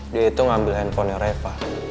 dia itu ngambil handphonenya reva